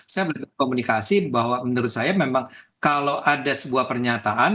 saya melihat komunikasi bahwa menurut saya memang kalau ada sebuah pernyataan